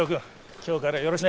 今日からよろしくね。